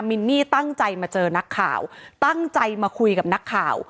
มินนี่ตั้งใจมาเจอนักข่าวตั้งใจมาคุยกับนักข่าว